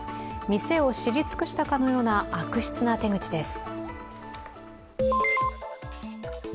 店を知り尽くしたかのような悪質な手口です。